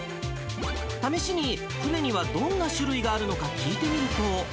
試しに船にはどんな種類があるのか聞いてみると。